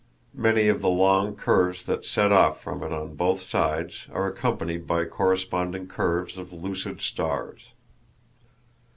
Many of the long curves that set off from it on both sides are accompanied by corresponding curves of lucid stars.